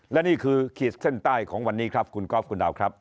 และนี่คือขีดเส้นใต้ของวันนี้ครับคุณก๊อฟคุณดาวครับ